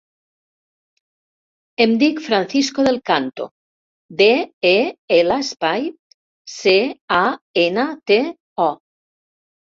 Em dic Francisco Del Canto: de, e, ela, espai, ce, a, ena, te, o.